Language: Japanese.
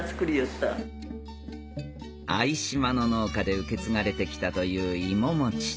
相島の農家で受け継がれてきたという芋もち